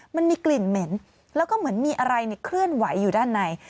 มันมีกลิ่นเหม็นแล้วก็เหมือนมีอะไรเคลื่อนไหวอยู่ด้านใน